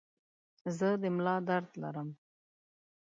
زه د ملا درد لرم.